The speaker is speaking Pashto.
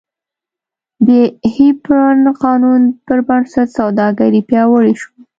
د هیپبرن قانون پربنسټ سوداګري پیاوړې شوه.